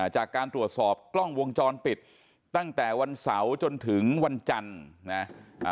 จากการตรวจสอบกล้องวงจรปิดตั้งแต่วันเสาร์จนถึงวันจันทร์นะ